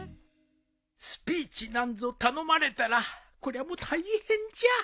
スピーチなんぞ頼まれたらこりゃもう大変じゃ。